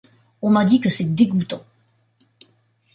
On m’a dit que c’est dégoûtant!...